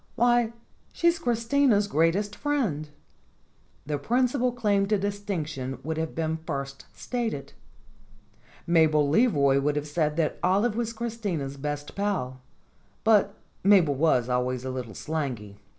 Why, she's Christina's greatest friend." The principal claim to distinction would have been first stated. Mabel Leroy would have said that Olive was Chris tina's best pal, but Mabel was always a little slangy.